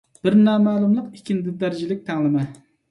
بىر نامەلۇملۇق ئىككىنچى دەرىجىلىك تەڭلىمە